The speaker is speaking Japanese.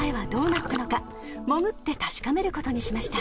［潜って確かめることにしました］